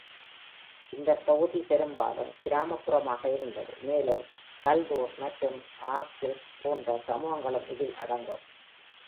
இந்த தொகுதி பெரும்பாலும் கிராமப்புறமாக இருந்தது, மேலும் பல்தூர் மற்றும் ஆர்கில்ஸ் போன்ற சமூகங்களும் இதில் அடங்கும்.